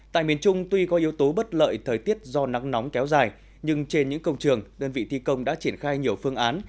tại miền trung tuy có yếu tố bất lợi thời tiết do nắng nóng kéo dài nhưng trên những công trường đơn vị thi công đã triển khai nhiều phương án